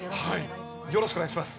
よろしくお願いします。